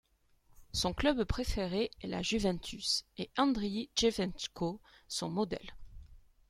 Son club préféré est la Juventus et Andriy Chevtchenko son modèle.